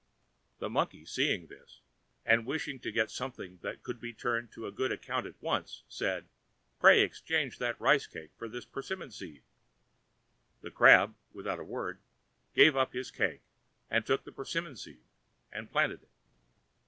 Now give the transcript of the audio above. The Monkey, seeing this, and wishing to get something that could be turned to good account at once, said, "Pray, exchange that rice cake for this persimmon seed." The Crab, without a word, gave up his cake, and took the persimmon seed and planted it.